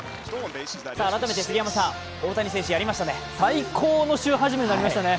改めて杉山さん、大谷選手やりましたね。